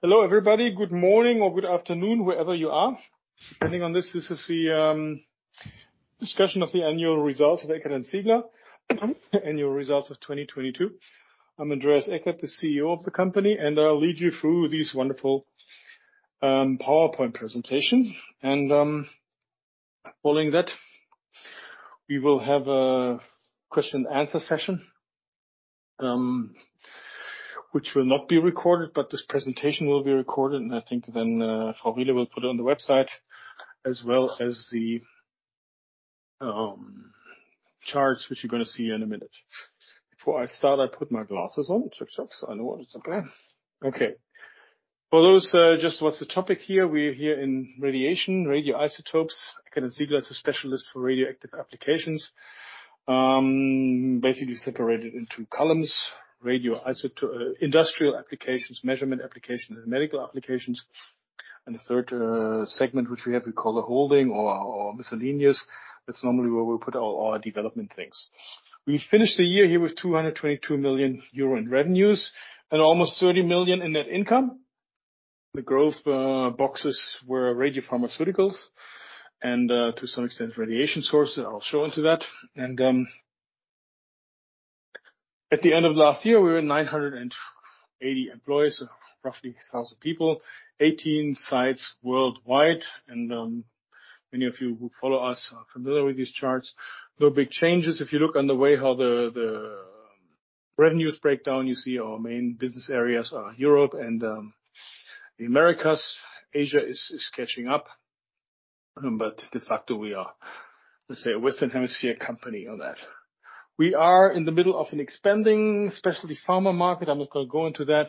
Hello, everybody. Good morning or good afternoon, wherever you are. Depending on this is the discussion of the annual results of Eckert & Ziegler. Annual results of 2022. I'm Andreas Eckert, the CEO of the company. I'll lead you through these wonderful PowerPoint presentations. Following that, we will have a question and answer session, which will not be recorded, but this presentation will be recorded. I think then, Fabule will put it on the website as well as the charts which you're gonna see in a minute. Before I start, I put my glasses on. Checks. I know what it's like. Okay. For those, just what's the topic here, we're here in radiation, radioisotopes. Eckert & Ziegler is a specialist for radioactive applications. Basically separated into columns, industrial applications, measurement applications, and medical applications. The third segment which we have, we call a holding or miscellaneous. That's normally where we put all our development things. We finished the year here with 222 million euro in revenues and almost 30 million in net income. The growth boxes were radiopharmaceuticals and to some extent, radiation sources. I'll show into that. At the end of last year, we were 980 employees, so roughly 1,000 people. 18 sites worldwide. Many of you who follow us are familiar with these charts. No big changes. If you look on the way how the revenues break down, you see our main business areas are Europe and the Americas. Asia is catching up, de facto, we are, let's say, a Western Hemisphere company on that. We are in the middle of an expanding specialty pharma market. I'm not gonna go into that.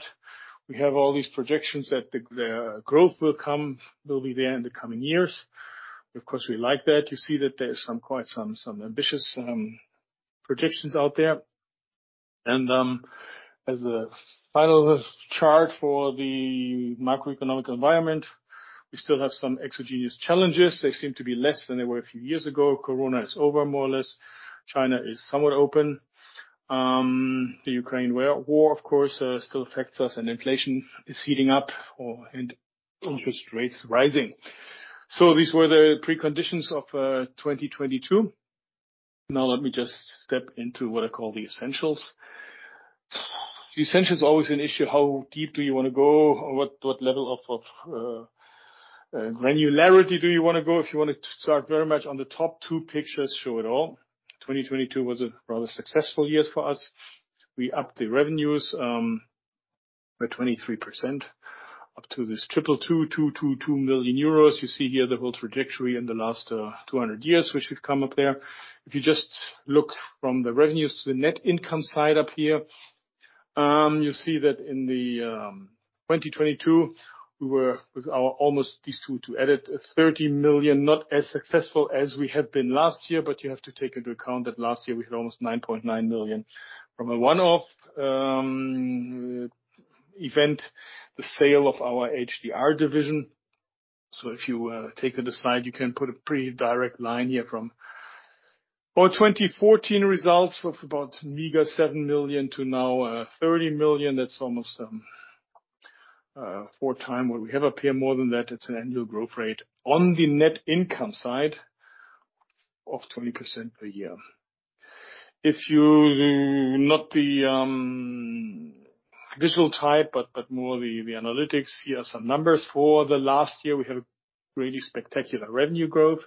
We have all these projections that the growth will come, will be there in the coming years. Of course, we like that. You see that there's quite some ambitious predictions out there. As a final chart for the macroeconomic environment, we still have some exogenous challenges. They seem to be less than they were a few years ago. Corona is over, more or less. China is somewhat open. The Ukraine War, of course, still affects us, inflation is heating up or/and interest rates rising. These were the preconditions of 2022. Now let me just step into what I call the essentials. The essential is always an issue, how deep do you wanna go, or what level of granularity do you wanna go. If you wanna start very much on the top two pictures, show it all. 2022 was a rather successful year for us. We upped the revenues by 23% up to this 222 million euros. You see here the whole trajectory in the last 200 years, which we've come up there. If you just look from the revenues to the net income side up here, you see that in 2022, we were with our almost these two to edit, 30 million, not as successful as we had been last year, but you have to take into account that last year we had almost 9.9 million from a one-off event, the sale of our HDR division. If you take it aside, you can put a pretty direct line here from our 2014 results of about meager 7 million to now 30 million. That's almost four times what we have up here. More than that, it's an annual growth rate on the net income side of 20% per year. If you're not the visual type, but more the analytics, here are some numbers. For the last year, we have really spectacular revenue growth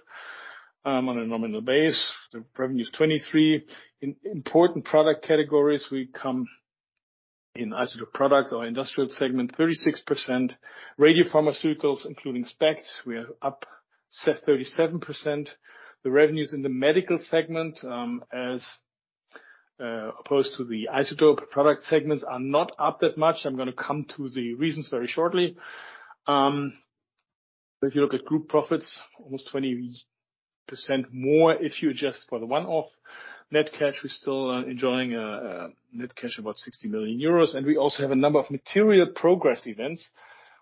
on a nominal base. The revenue is 23%. In important product categories, we come in isotope products, our industrial segment, 36%. Radiopharmaceuticals, including SPECT, we are up 37%. The revenues in the medical segment, as opposed to the isotope product segment are not up that much. I'm gonna come to the reasons very shortly. If you look at group profits, almost 20% more. If you adjust for the one-off net cash, we're still enjoying net cash about 60 million euros. We also have a number of material progress events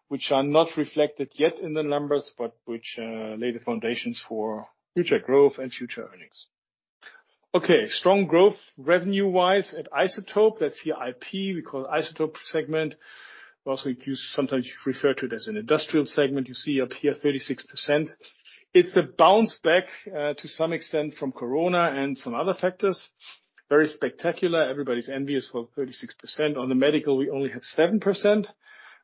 which are not reflected yet in the numbers, but which lay the foundations for future growth and future earnings. Strong growth revenue-wise at isotope. That's the IP we call isotope segment. You sometimes refer to it as an industrial segment. You see up here 36%. It's a bounce back to some extent from corona and some other factors. Very spectacular. Everybody's envious for 36%. On the medical, we only have 7%.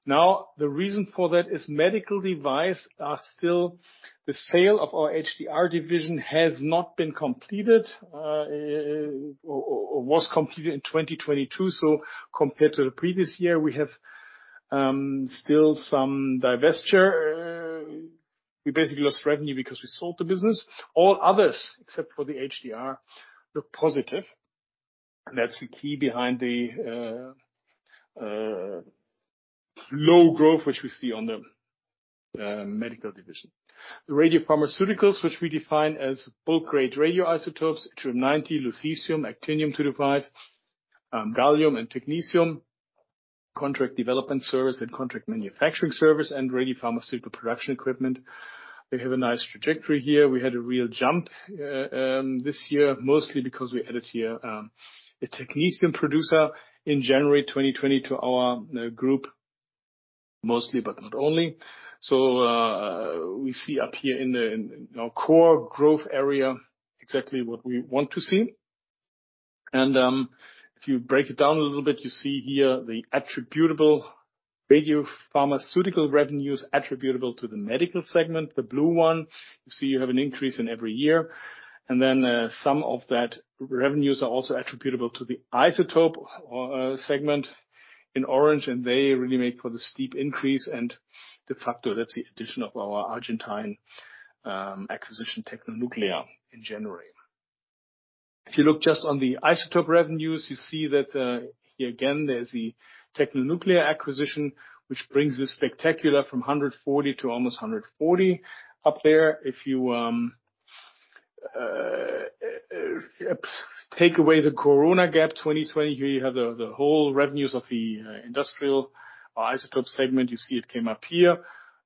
Now, the reason for that is medical device are still the sale of our HDR division has not been completed or was completed in 2022. Compared to the previous year, we have still some divesture. We basically lost revenue because we sold the business. All others, except for the HDR, look positive. That's the key behind the low growth, which we see on the medical division. The radiopharmaceuticals, which we define as bulk grade radioisotopes, Yttrium-90, Lutetium, Actinium-225, Gallium and Technetium, contract development service and contract manufacturing service, and radiopharmaceutical production equipment. We have a nice trajectory here. We had a real jump this year, mostly because we added here a Technetium producer in January 2020 to our group. Mostly, but not only. We see up here in the, in our core growth area exactly what we want to see. If you break it down a little bit, you see here the attributable radiopharmaceutical revenues attributable to the medical segment, the blue one. You see you have an increase in every year. Some of that revenues are also attributable to the isotope segment in orange, and they really make for the steep increase. De facto, that's the addition of our Argentine acquisition Tecnonuclear in January. If you look just on the isotope revenues, you see that here again, there's the Tecnonuclear acquisition, which brings this spectacular from 140 to almost 140 up there. If you take away the corona gap, 2020, here you have the whole revenues of the industrial isotope segment. You see it came up here.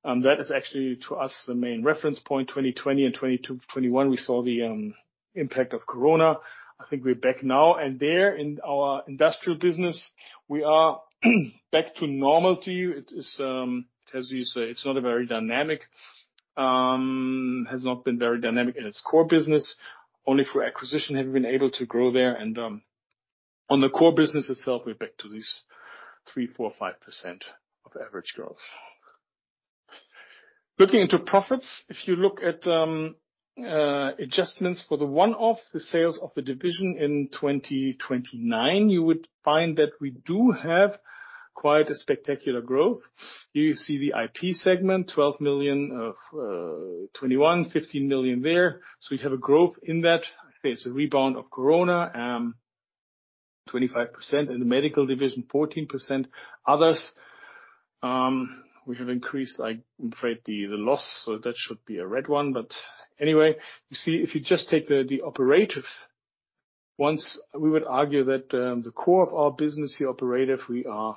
That is actually, to us, the main reference point, 2020 and 2021, we saw the impact of corona. I think we're back now. There in our industrial business, we are back to normalcy. It is, as you say, it's not a very dynamic, has not been very dynamic in its core business. Only through acquisition have we been able to grow there. On the core business itself, we're back to these 3%, 4%, 5% of average growth. Looking into profits, if you look at adjustments for the one-off, the sales of the HDR division in 2029, you would find that we do have quite a spectacular growth. Here you see the IP segment, 12 million of 2021, 15 million there. We have a growth in that. It's a rebound of corona, 25%. In the medical division, 14%. Others, we have increased, I'm afraid, the loss, so that should be a red one. Anyway, you see, if you just take the operative ones, we would argue that the core of our business here, operative, we have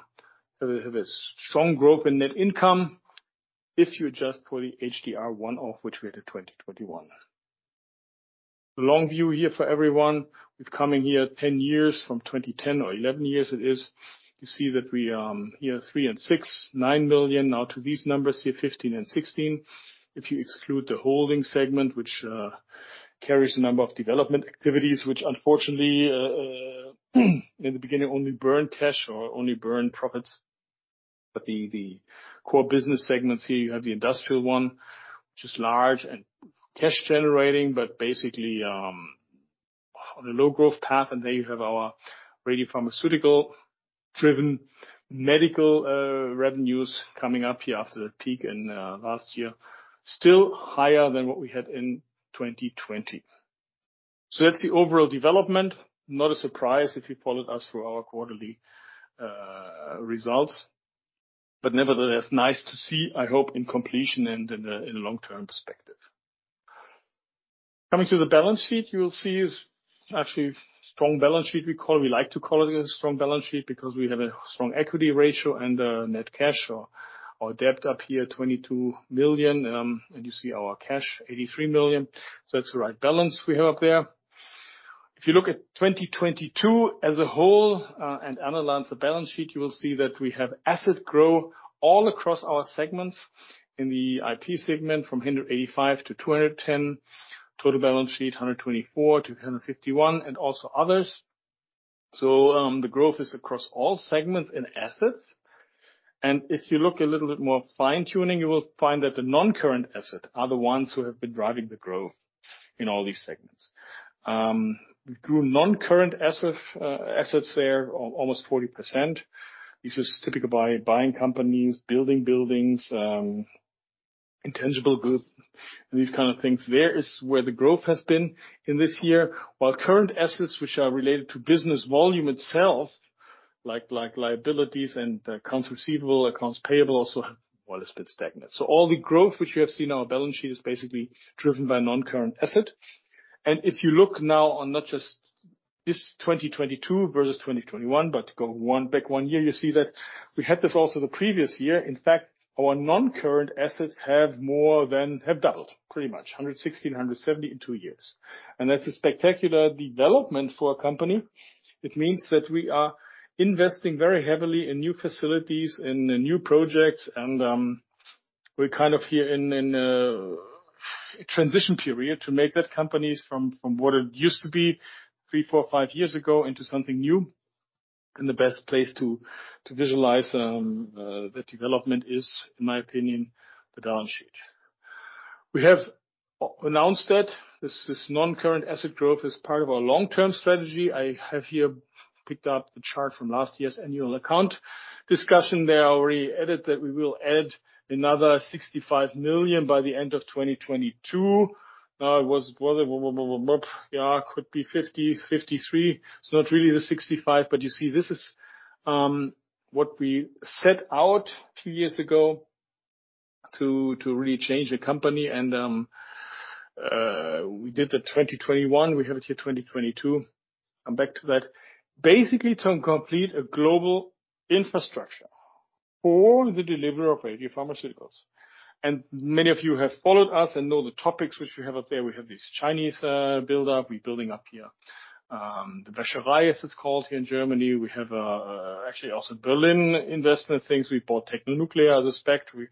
a strong growth in net income. If you adjust for the HDR one-off, which we had in 2021. The long view here for everyone, we've come in here 10 years from 2010 or 11 years it is. You see that we, here 3 million and 6 million, 9 million. Now to these numbers here, 15 and 16. If you exclude the holding segment, which carries a number of development activities, which unfortunately, in the beginning, only burned cash or only burned profits. The core business segments here, you have the industrial one, which is large and cash generating, but basically, on a low growth path. There you have our radiopharmaceutical-driven medical revenues coming up here after that peak in last year. Still higher than what we had in 2020. That's the overall development. Not a surprise if you followed us through our quarterly results, but nevertheless, nice to see, I hope, in completion and in a long-term perspective. Coming to the balance sheet, you will see is actually strong balance sheet we call. We like to call it a strong balance sheet because we have a strong equity ratio and net cash or debt up here, 22 million. You see our cash, 83 million. That's the right balance we have up there. If you look at 2022 as a whole, and analyze the balance sheet, you will see that we have asset grow all across our segments. In the IP segment from 185 million to 210 million. Total balance sheet, 124 million to 151 million, and also others. The growth is across all segments and assets. If you look a little bit more fine-tuning, you will find that the non-current asset are the ones who have been driving the growth in all these segments. We grew non-current assets there almost 40%. This is typical by buying companies, building buildings, intangible goods, and these kind of things. There is where the growth has been in this year. While current assets which are related to business volume itself, like liabilities and accounts receivable, accounts payable also, well, it's been stagnant. All the growth which you have seen on our balance sheet is basically driven by non-current asset. If you look now on not just this 2022 versus 2021, but go back one year, you see that we had this also the previous year. In fact, our non-current assets have doubled, pretty much. 116 million, 170 million in two years. That's a spectacular development for a company. It means that we are investing very heavily in new facilities, in new projects, and we're kind of here in a transition period to make that companies from what it used to be three, four, five years ago into something new. The best place to visualize that development is, in my opinion, the balance sheet. We have announced that this non-current asset growth is part of our long-term strategy. I have here picked up the chart from last year's annual account discussion. There I already added that we will add another 65 million by the end of 2022. Now it was it Yeah, could be 50 million, 53 million. It's not really the 65, but you see this is, what we set out two years ago to really change the company. We did the 2021. We have it here, 2022. I'm back to that. Basically to complete a global infrastructure for the delivery of radiopharmaceuticals. Many of you have followed us and know the topics which we have up there. We have this Chinese buildup. We're building up here, the Wäsche-Reihe, as it's called here in Germany. We have actually also Berlin investment things. We bought Tecnonuclear as a spec. We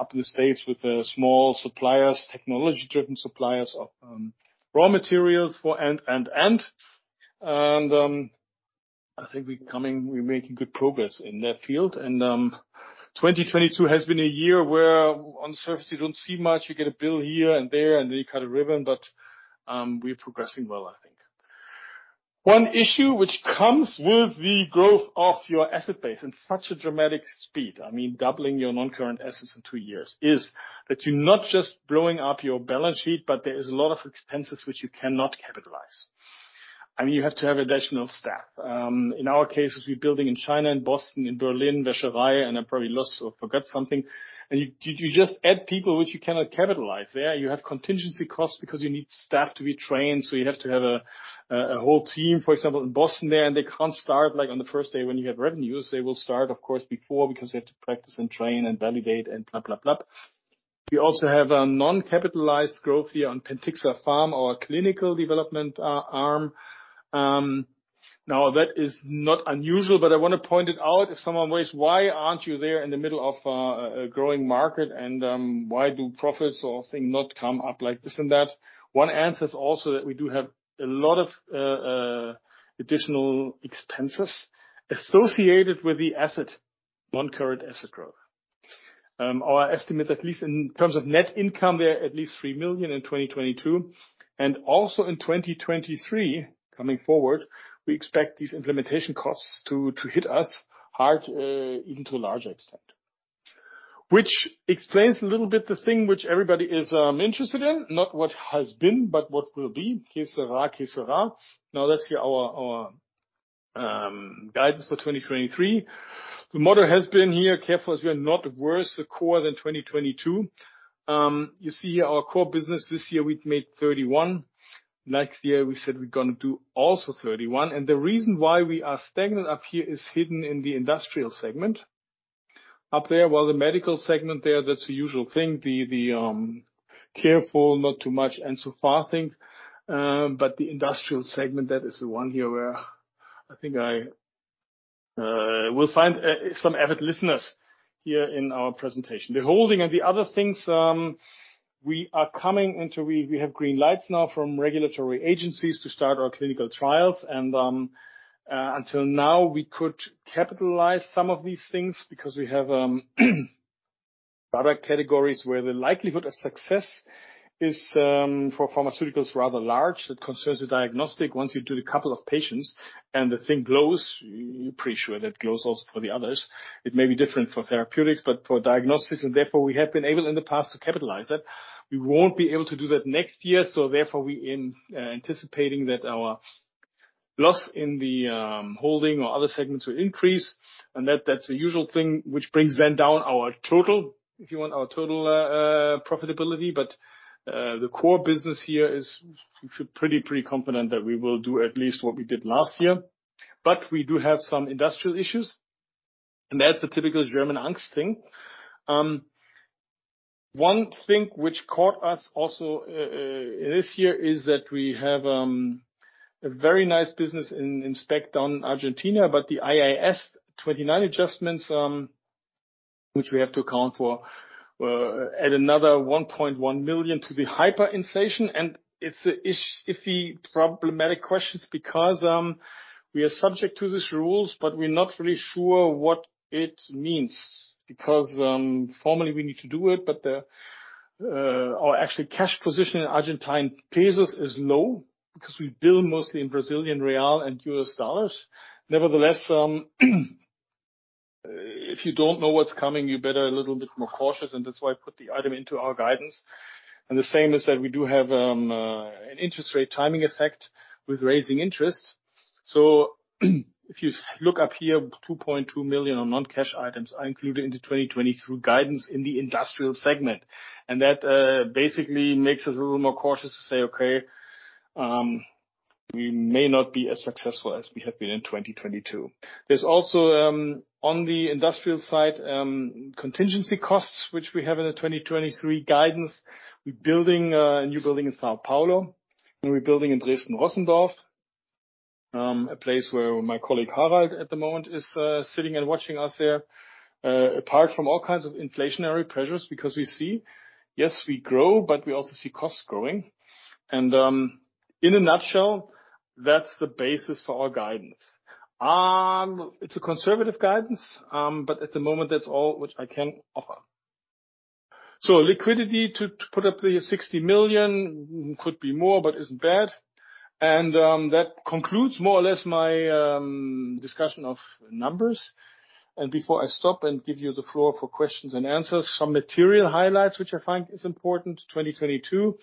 up in the States with the small suppliers, technology-driven suppliers of raw materials for and, and. I think we're making good progress in that field. 2022 has been a year where on the surface you don't see much. You get a bill here and there, and then you cut a ribbon. We're progressing well, I think. One issue which comes with the growth of your asset base in such a dramatic speed, I mean, doubling your non-current assets in two years, is that you're not just blowing up your balance sheet, but there is a lot of expenses which you cannot capitalize, and you have to have additional staff. In our cases, we're building in China, in Boston, in Berlin, Wäsche-Reihe, and I probably lost or forgot something, and you just add people which you cannot capitalize there. You have contingency costs because you need staff to be trained, so you have to have a whole team, for example, in Boston there, and they can't start, like, on the first day when you have revenues. They will start, of course, before because they have to practice and train and validate and blah, blah. We also have a non-capitalized growth here on Pentixapharm, our clinical development arm. Now that is not unusual, but I wanna point it out if someone asks, "Why aren't you there in the middle of a growing market? And why do profits or things not come up like this and that?" One answer is also that we do have a lot of additional expenses associated with the asset, non-current asset growth. Our estimate, at least in terms of net income, they're at least 3 million in 2022. Also in 2023, coming forward, we expect these implementation costs to hit us hard, even to a larger extent. Which explains a little bit the thing which everybody is interested in, not what has been, but what will be. Que sera, que sera. Let's hear our guidance for 2023. The motto has been here, careful as we are not worse core than 2022. You see our core business this year, we'd made 31. Next year, we said we're gonna do also 31. The reason why we are stagnant up here is hidden in the industrial segment. Up there, while the medical segment there, that's the usual thing. The careful, not too much, and so far thing. The industrial segment, that is the one here where I think I will find some avid listeners here in our presentation. The holding and the other things, we have green lights now from regulatory agencies to start our clinical trials. Until now, we could capitalize some of these things because we have product categories where the likelihood of success is for pharmaceuticals, rather large. It concerns the diagnostic. Once you do the couple of patients and the thing glows, you're pretty sure that glows also for the others. It may be different for therapeutics, but for diagnostics, and therefore we have been able in the past to capitalize it. We won't be able to do that next year, therefore we anticipating that our loss in the holding or other segments will increase, and that's the usual thing, which brings then down our total, if you want, our total profitability. The core business here is pretty confident that we will do at least what we did last year. We do have some industrial issues, and that's the typical German angst thing. One thing which caught us also this year is that we have a very nice business in SPECT on Argentina, but the IAS 29 adjustments which we have to account for add another 1.1 million to the hyperinflation. It's a problematic questions because we are subject to these rules, but we're not really sure what it means because formally we need to do it, but our actually cash position in Argentine pesos is low because we bill mostly in Brazilian real and US dollars. Nevertheless, if you don't know what's coming, you better a little bit more cautious, and that's why I put the item into our guidance. The same is that we do have an interest rate timing effect with raising interest. If you look up here, 2.2 million on non-cash items are included into 2023 guidance in the industrial segment. That basically makes us a little more cautious to say, "Okay, we may not be as successful as we have been in 2022." There's also on the industrial side contingency costs, which we have in the 2023 guidance. We're building a new building in São Paulo, and we're building in Dresden Rossendorf, a place where my colleague Harald at the moment is sitting and watching us here. Apart from all kinds of inflationary pressures because we see, yes, we grow, but we also see costs growing. In a nutshell, that's the basis for our guidance. It's a conservative guidance, but at the moment, that's all which I can offer. Liquidity to put up the 60 million could be more but isn't bad. That concludes more or less my discussion of numbers. Before I stop and give you the floor for questions and answers, some material highlights which I find is important. 2022,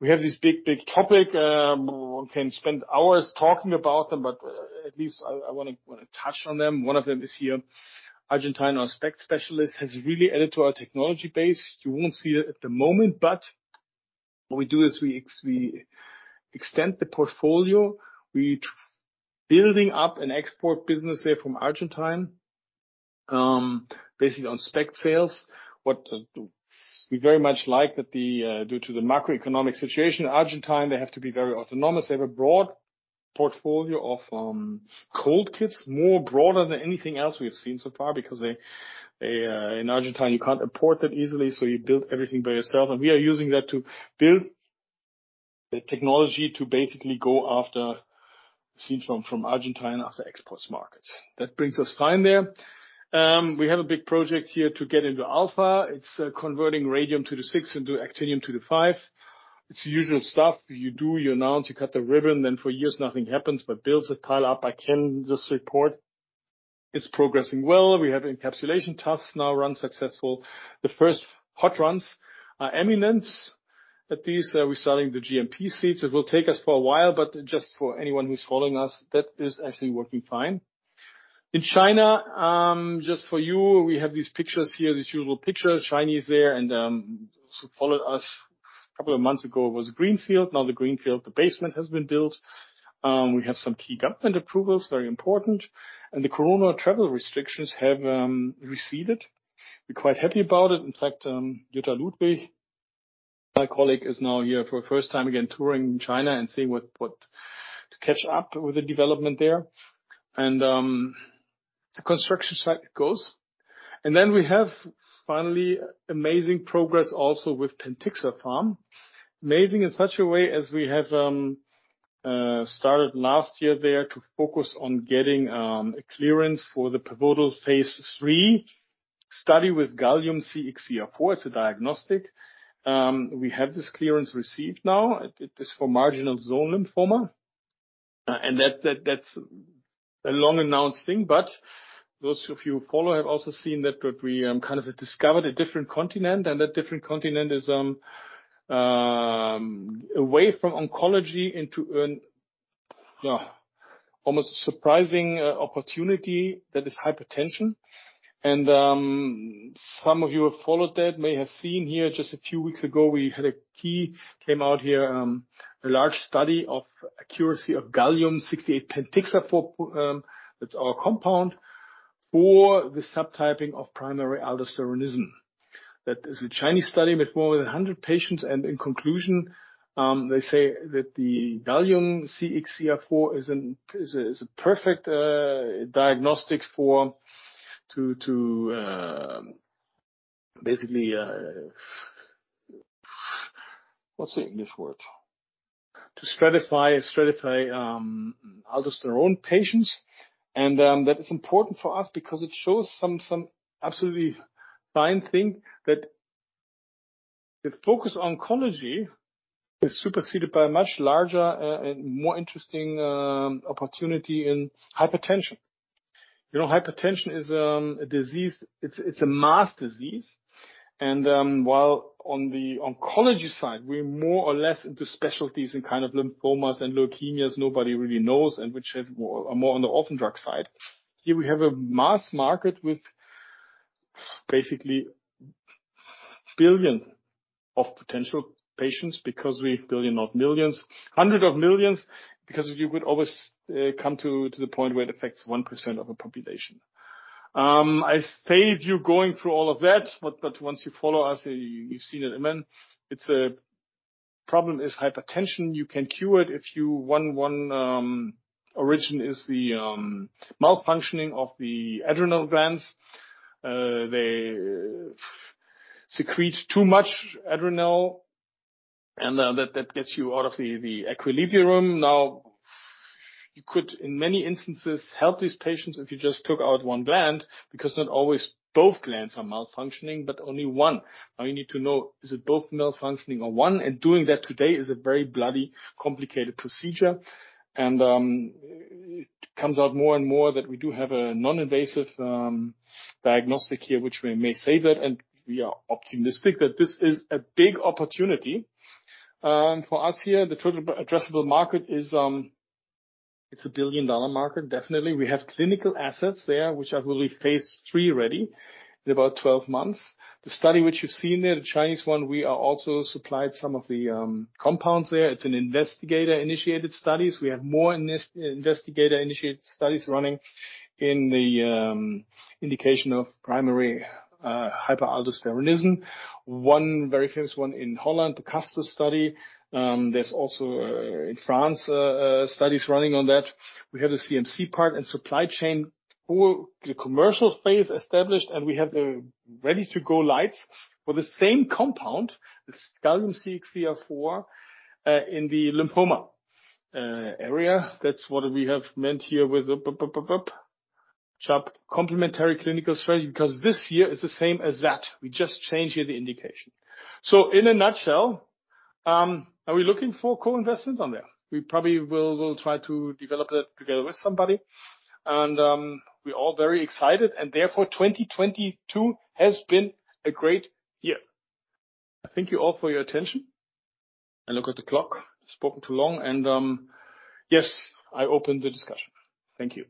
we have this big, big topic. One can spend hours talking about them, but at least I wanna touch on them. One of them is here. Argentina, our spec specialist, has really added to our technology base. You won't see it at the moment. What we do is we extend the portfolio. Building up an export business there from Argentina, basically on spec sales. What we very much like that the due to the macroeconomic situation, Argentina, they have to be very autonomous. They have a broad portfolio of cold kits, more broader than anything else we have seen so far because they, in Argentina you can't import that easily, so you build everything by yourself. We are using that to build the technology to basically go after, since we're from Argentina, after exports markets. That brings us fine there. We have a big project here to get into alpha. It's converting Radium-226 into Actinium-225. It's usual stuff you do. You announce, you cut the ribbon, then for years nothing happens, but builds a pile up. I can just report it's progressing well. We have encapsulation tests now run successful. The first hot runs are imminent at these. We're starting the GMP seats. It will take us for a while, but just for anyone who's following us, that is actually working fine. In China, just for you, we have these pictures here, these usual pictures, Chinese there. Those who followed us couple of months ago, it was a greenfield. Now the greenfield, the basement has been built. We have some key government approvals, very important. The corona travel restrictions have receded. We're quite happy about it. In fact, Jutta Ludwig, my colleague, is now here for the first time again touring China and seeing what. to catch up with the development there. The construction site goes. We have finally amazing progress also with Pentixapharm. Amazing in such a way as we have started last year there to focus on getting a clearance for the pivotal Phase III study with Gallium CXCR4. It's a diagnostic. We have this clearance received now. It is for Marginal Zone Lymphoma. That's a long-announced thing, but those of you who follow have also seen that what we kind of discovered a different continent, and that different continent is away from oncology into an almost surprising opportunity that is hypertension. Some of you who followed that may have seen here just a few weeks ago, we had a key came out here, a large study of accuracy of Gallium-68 Pentixafor, it's our compound, for the subtyping of Primary Aldosteronism. That is a Chinese study with more than 100 patients. In conclusion, they say that the Gallium-68 CXCR4 is a perfect diagnostics to stratify aldosterone patients. That is important for us because it shows some absolutely fine thing that the focus oncology is superseded by a much larger and more interesting opportunity in hypertension. You know, hypertension is a disease. It's a mass disease. While on the oncology side, we're more or less into specialties in kind of lymphomas and leukemias nobody really knows and which are more on the Orphan Drug side. Here we have a mass market with basically billion of potential patients because we've billion of millions, hundred of millions because you could always come to the point where it affects 1% of a population. I saved you going through all of that, but once you follow us, you've seen it. I mean, it's problem is hypertension. You can cure it if one origin is the malfunctioning of the adrenal glands. They secrete too much adrenal, and that gets you out of the equilibrium. You could, in many instances, help these patients if you just took out one gland, because not always both glands are malfunctioning, but only one. You need to know, is it both malfunctioning or one? Doing that today is a very bloody complicated procedure. It comes out more and more that we do have a non-invasive diagnostic here which may save it. We are optimistic that this is a big opportunity for us here. The total addressable market is, it's a billion-dollar market, definitely. We have clinical assets there, which are really Phase III-ready in about 12 months. The study which you've seen there, the Chinese one, we are also supplied some of the compounds there. It's an investigator-initiated studies. We have more investigator-initiated studies running in the indication of Primary Aldosteronism. One very famous one in Holland, the Kerstens study. There's also in France studies running on that. We have the CMC part and supply chain for the commercial phase established, and we have a ready-to-go lights for the same compound, this Gallium CXCR4 in the lymphoma area. That's what we have meant here with up chap complementary clinical study because this year is the same as that. We just change here the indication. In a nutshell, are we looking for co-investment on there? We probably will try to develop that together with somebody. We're all very excited and therefore 2022 has been a great year. Thank you all for your attention. I look at the clock. Spoken too long and, yes, I open the discussion. Thank you.